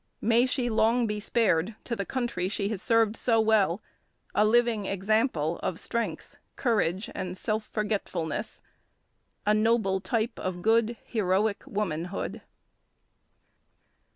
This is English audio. May she long be spared to the country she has served so well, a living example of strength, courage, and self forgetfulness— A noble type of good Heroic womanhood.